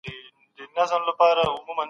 د نبي په زمانه کي مسلمان ذمي وواژه.